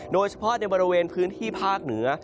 โดยเฉพาะในบริเวณพื้นที่ภาคเหนือ